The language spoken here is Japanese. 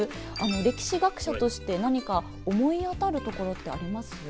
歴史学者として何か思い当たるところってあります？